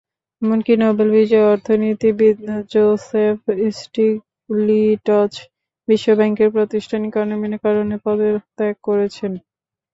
এমনকি নোবেল বিজয়ী অর্থনীতিবিদ জোসেফ স্টিগলিটজ বিশ্বব্যাংকের প্রাতিষ্ঠানিক অনিয়মের কারণে পদত্যাগ করেছেন।